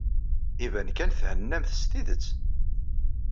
Iban kan thennamt s tidet.